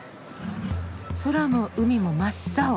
空も海も真っ青。